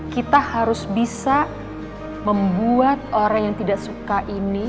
kita harus bisa membuat orang yang tidak suka ini